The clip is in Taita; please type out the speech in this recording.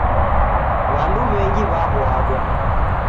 W'andu w'engi w'aw'uadwa